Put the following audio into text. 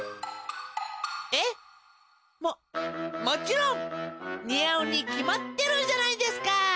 えっ？ももちろん！にあうにきまってるじゃないですか！